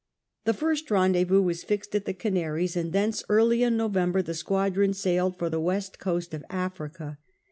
The first rendezvous was fixed at the Canaries, and thence early in November the squadron sailed for the west coast of Africa.